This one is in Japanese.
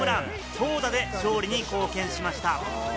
投打で勝利に貢献しました。